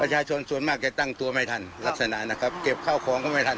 ประชาชนส่วนมากจะตั้งตัวไม่ทันลักษณะนะครับเก็บข้าวของก็ไม่ทัน